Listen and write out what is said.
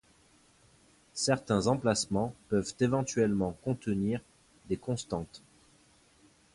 Certains emplacements peuvent éventuellement contenir des constantes.